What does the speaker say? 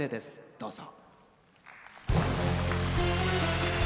どうぞ。